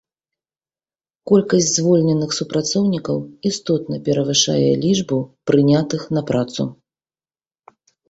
Колькасць звольненых супрацоўнікаў істотна перавышае лічбу прынятых на працу.